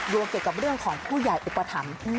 โดยเกี่ยวกับเรื่องของผู้ใหญ่อุปฏิภัณฑ์